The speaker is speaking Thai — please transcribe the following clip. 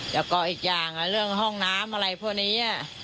แล้วก็อีกอย่างเรื่องห้องน้ำอะไรพวกนี้